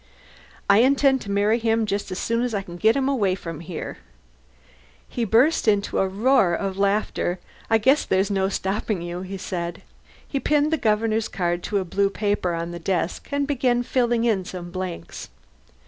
"I intend to marry him just as soon as I can get him away from here." He burst into a roar of laughter. "I guess there's no stopping you," he said. He pinned the Governor's card to a blue paper on the desk, and began filling in some blanks.